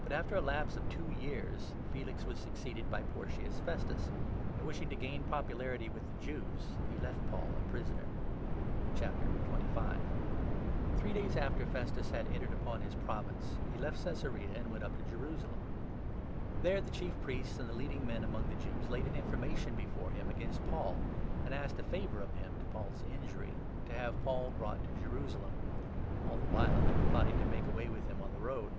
But, after the lapse of two years, Felix was succeeded by 27 Porcius Festus ; and, wishing to gain popularity with the Jews, he left Paul a prisoner. Paul Three days after Festus had entered upon i before his Province, he left Caesarea and went up to Festus. Jerusalem. There the Chief Priests and the 2 leading men among the Jews laid an information before him against Paul, and asked a favour of him, to Paul's injury — 3 to have Paul brought to Jerusalem. All the while they were plotting to make away with him on the road.